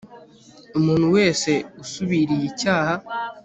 umuntu wese usubiriye icyaha